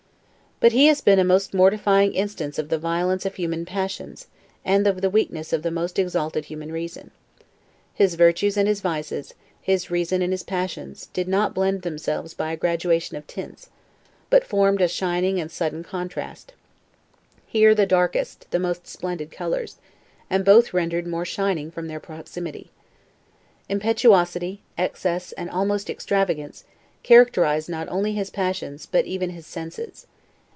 But he has been a most mortifying instance of the violence of human passions and of the weakness of the most exalted human reason. His virtues and his vices, his reason and his passions, did not blend themselves by a gradation of tints, but formed a shining and sudden contrast. Here the darkest, there the most splendid colors; and both rendered more shining from their proximity. Impetuosity, excess, and almost extravagance, characterized not only his passions, but even his senses.